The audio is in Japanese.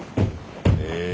へえ。